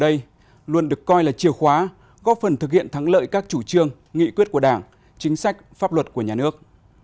đây luôn được coi là chiều khóa góp phần thực hiện thắng lợi các chủ trương nghị quyết của đảng chính sách pháp luật của nhà nước